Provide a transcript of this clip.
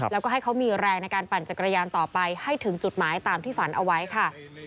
แล้วก็ให้เขามีแรงในการปั่นจักรยานต่อไปให้ถึงจุดหมายตามที่ฝันเอาไว้ค่ะ